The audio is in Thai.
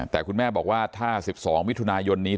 แต่คุณแม่บอกว่าถ้า๑๒มิถุนายนนี้